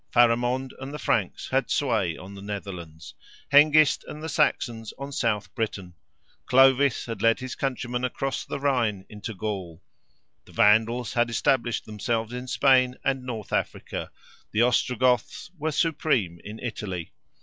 Pharamond and the Franks had sway on the Netherlands; Hengist and the Saxons on South Britain; Clovis had led his countrymen across the Rhine into Gaul; the Vandals had established themselves in Spain and North Africa; the Ostrogoths were supreme in Italy.